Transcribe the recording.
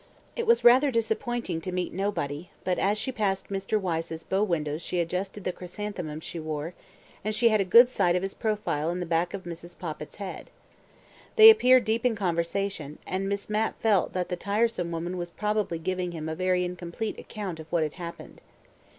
It was rather disappointing to meet nobody, but as she passed Mr. Wyse's bow window she adjusted the chrysanthemums she wore, and she had a good sight of his profile and the back of Mrs. Poppit's head. They appeared deep in conversation, and Miss Mapp felt that the tiresome woman was probably giving him a very incomplete account of what had happened.